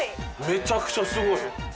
めちゃくちゃすごい！